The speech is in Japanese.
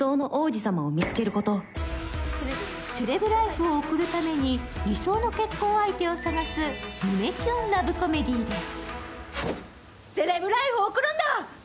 セレブライフを送るために理想の結婚相手を探す胸キュンラブコメディです。